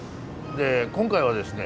で今回はですね